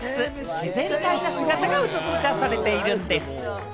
自然体な姿が映し出されているんでぃす。